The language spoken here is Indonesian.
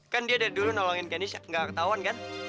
kan dia dari dulu nolongin kanis gak ketahuan kan